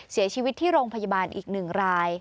เสียชีวิตที่โรงพยาบาลอีก๑ราย